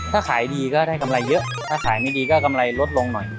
ถ้าขายดีก็ได้กำไรเยอะถ้าขายไม่ดีก็กำไรลดลงหน่อย